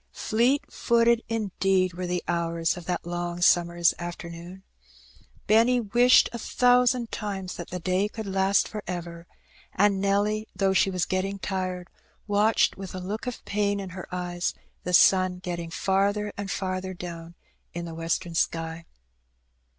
Fleet footed indeed were the hours of that long summer's afternoon. Benny wished a thousand times that the day could last for ever; and Nelly, though she was getting tired, watched with a look of pain in her eyes the sun get ting farther and farther down in the western sky.